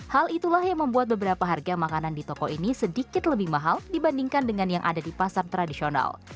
hal itulah yang membuat beberapa harga makanan di toko ini sedikit lebih mahal dibandingkan dengan yang ada di pasar tradisional